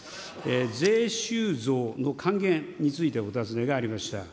税収増の還元についてお尋ねがありました。